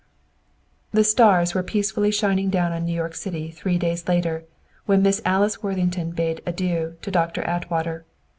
The stars were peacefully shining down on New York City, three days later, when Miss Alice Worthington bade adieu to Doctor Atwater.